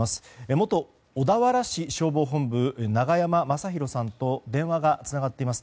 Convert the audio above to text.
元小田原市消防本部の永山政広さんと電話がつながっています。